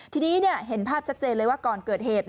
ทีนี้เห็นภาพชัดเจนเลยว่าก่อนเกิดเหตุ